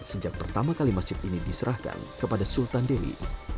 sejak pertama kali masjid ini diserahkan kepada sultan dewi